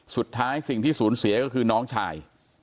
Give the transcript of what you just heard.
สุดท้ายสิ่งที่สูญเสียก็คือน้องชาย